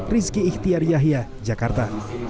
rizky ihtiyar yahya jakarta